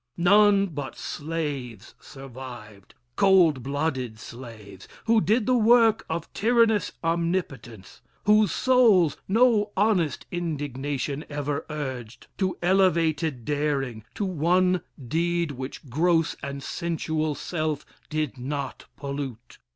None but slaves Survived, cold blooded slaves, who did the work Of tyrannous omnipotence: whose souls No honest indignation ever urged To elevated daring, to one deed Which gross and sensual self did not pollute.